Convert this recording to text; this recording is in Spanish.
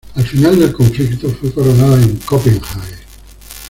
Al final del conflicto, fue coronada en Copenhague.